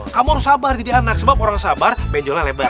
kamu harus sabar jadi anak sebab orang sabar penjualnya lebar